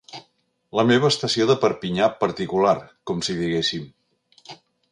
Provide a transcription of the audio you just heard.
La meva estació de Perpinyà particular, com si diguéssim.